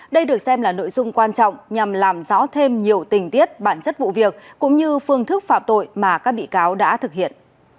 đây được xem là nội dung quan trọng nhằm làm rõ thêm nhiều tình tiết bản chất vụ việc cũng như phương thức phạm tội mà các bị cáo đã thực hiện